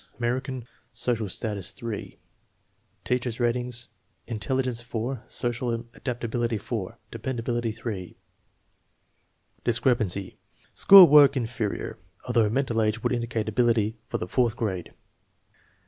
American, social status 3. Teacher's ratings: intelligence 4, social adaptability 4, de pendability S. Discrepancy: School work "inferior" although mental age would indicate ability for the fourth grade.